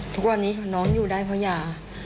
ทุกวันนี้น้องอยู่ได้เพราะยา